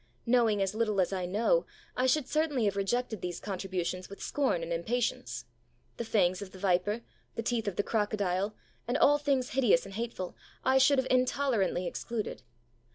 Knowing as little as I know, I should certainly have rejected these contributions with scorn and impatience. The fangs of the viper, the teeth of the crocodile, and all things hideous and hateful, I should have intolerantly excluded.